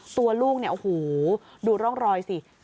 ตัวลูกเนี่ยโอ้โหดูร่องรอยสิ